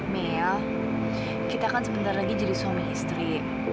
meya kita kan sebentar lagi jadi suami istri